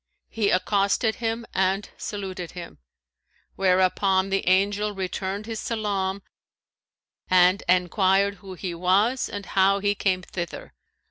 He accosted him and saluted him; whereupon the Angel returned his salam and enquired who he was and how he came thither.